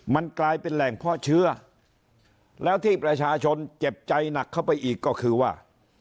มันกลายเป็นแหล่งเพาะเชื้อแล้วที่ประชาชนเจ็บใจหนักเข้าไปอีกก็คือว่า